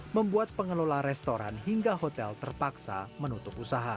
membuat pengelola restoran hingga hotel terpaksa menutup usaha